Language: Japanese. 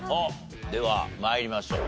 では参りましょう。